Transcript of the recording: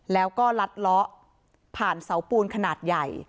แล้วก็ลัดเลาะผ่านเสาปูนขนาดใหญ่